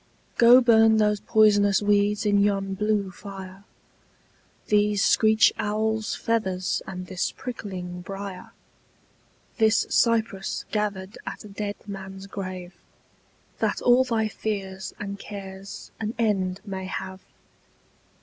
Go burn those poisonous weeds in yon blue fire, These screech owl's feathers and this prickling briar, This cypress gathered at a dead man's grave, That all thy fears and cares an end may have.